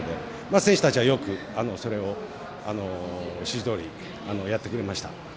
選手たちはよくそれを指示どおりやってくれました。